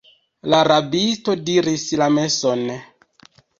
La rabisto diris la meson!